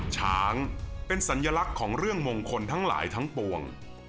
ช้างเป็นสัญลักษณ์ของเรื่องมงคลทั้งหลายทั้งปวง